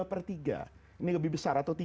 per tiga ini lebih besar atau